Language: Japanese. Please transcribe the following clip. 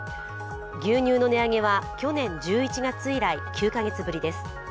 牛乳の値上げは去年１１月以来、９か月ぶりです。